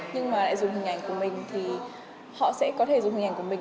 nhưng mà lại dùng hình ảnh của mình thì họ sẽ có thể dùng hình ảnh của mình